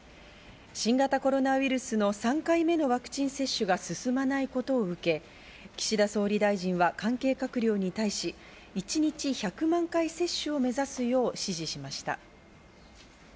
新型コロナウイルスの３回目のワクチン接種が進まないことを受け、岸田総理大臣は関係閣僚に対し、一日１００万回接種を目指すよう指示しました。